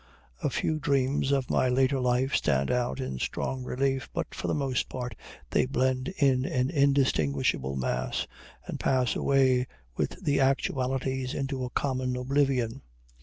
A few dreams of my later life stand out in strong relief, but for the most part they blend in an indistinguishable mass, and pass away with the actualities into a common oblivion.